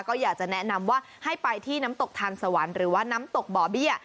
ก็อยากจะแนะนำว่าให้ไปที่น้ำตกทานสวรรค์หรือว่าน้ำตกบ่อเบี้ย